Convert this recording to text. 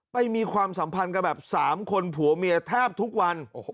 มีความสัมพันธ์กันแบบ๓คนผัวเมียแทบทุกวัน